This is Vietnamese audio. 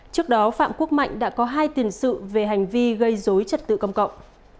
trước đó phạm quốc mạnh đã có hai tiền sự về hành vi gây dối trật tự công cộng